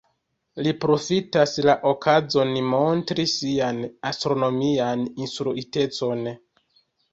Li profitas la okazon montri sian astronomian instruitecon.